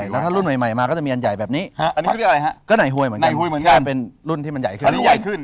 แล้วถ้ารุ่นใหม่มาก็จะมีอันใหญ่แบบนี้ก็ในหวยเหมือนกันเป็นรุ่นที่มันใหญ่ขึ้น